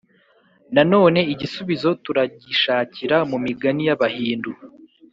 nanone igisubizo turagishakira mu migani y’abahindu.